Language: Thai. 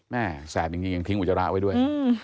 แม่แสบอย่างนี้ยังทิ้งอุจจาระไว้ด้วย